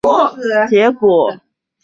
审查会议之议决结果